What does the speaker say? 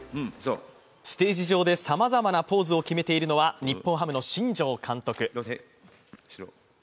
ステージ上でさまざまなポーズを決めているのは日本ハムの新庄監督。